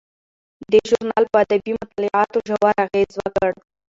دې ژورنال په ادبي مطالعاتو ژور اغیز وکړ.